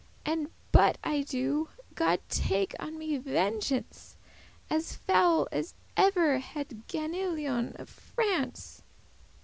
And but* I do, God take on me vengeance, *unless As foul as e'er had Ganilion <9> of France."